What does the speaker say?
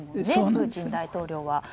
プーチン大統領は。